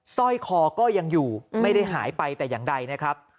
สร้อยคอก็ยังอยู่ไม่ได้หายไปแต่อย่างใดนะครับ